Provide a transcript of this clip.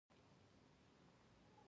پادري له خوړنځای څخه معلومات راوړي ول.